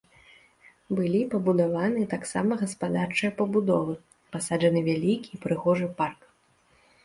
Былі пабудаваны таксама гаспадарчыя пабудовы, пасаджаны вялікі і прыгожы парк.